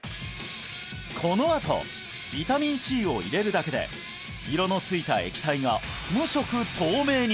このあとビタミンＣを入れるだけで色のついた液体が無色透明に！